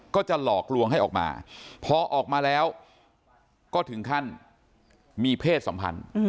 ก็จะหลอกลวงให้ออกมาพอออกมาแล้วก็ถึงขั้นมีเพศสัมพันธ์